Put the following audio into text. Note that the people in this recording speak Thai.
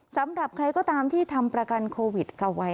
สำหรับใครก็ตามที่ทำประกันโควิดเอาไว้